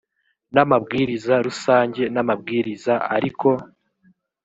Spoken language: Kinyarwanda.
n amabwiriza rusange n amabwiriza ariko